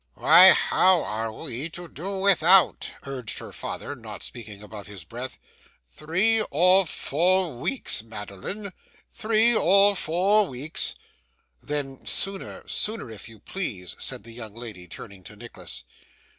'Why, how are we to do without?' urged her father, not speaking above his breath. 'Three or four weeks, Madeline! Three or four weeks!' 'Then sooner, sooner, if you please,' said the young lady, turning to Nicholas.